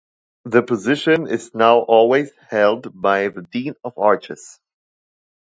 The position is now always held by the Dean of Arches.